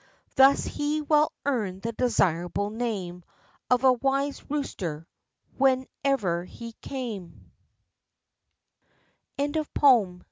Thus he well earned the desirable name Of a wise rooster, wherever he came.